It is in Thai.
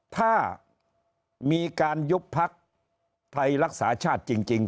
ถ้ามีการยุบพักไทยรักษาชาติจริง